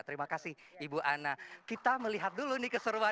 terima kasih ibu ana kita melihat dulu nih keseruan